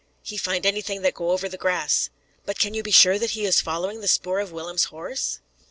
"He find anything that go over the grass." "But can you be sure that he is following the spoor of Willem's horse?"